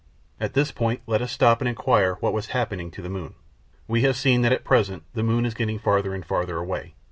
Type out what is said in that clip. At this point let us stop and inquire what was happening to the moon. We have seen that at present the moon is getting farther and farther away.